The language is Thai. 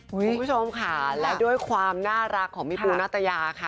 คุณผู้ชมค่ะและด้วยความน่ารักของพี่ปูนาตยาค่ะ